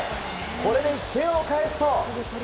これで１点を返すと。